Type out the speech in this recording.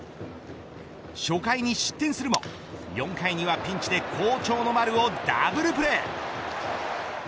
初回に失点するも４回にはピンチで好調の丸をダブルプレー。